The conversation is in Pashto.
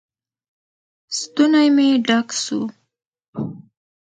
ستونى مې ډک سو.